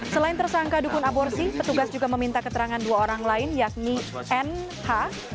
selain tersangka dukun aborsi petugas juga meminta keterangan dua orang lain yakni nh